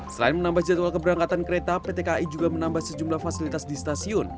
selain menambah jadwal keberangkatan kereta pt kai juga menambah sejumlah fasilitas di stasiun